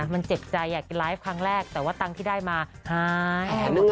มันเจ็บใจอยากจะไลฟ์ครั้งแรกแต่ว่าตังค์ที่ได้มาหาย